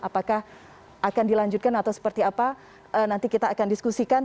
apakah akan dilanjutkan atau seperti apa nanti kita akan diskusikan